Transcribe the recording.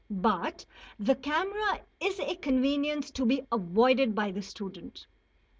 But the camera is a convenience to be avoided by the student.